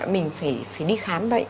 mình phải đi khám bệnh